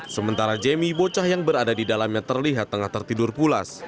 sementara jemmy bocah yang berada di dalamnya terlihat tengah tertidur pulas